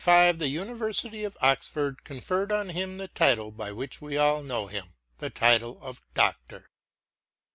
In 1775 the University of Oxford conferred on him the title by which we all know him — ^the title of ddctor.